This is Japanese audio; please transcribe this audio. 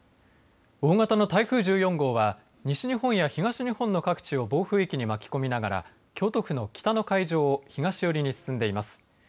大型の台風１４号は西日本や東日本の各地を暴風域に巻き込みながら京都府の北の海上を東寄りに進んでいます。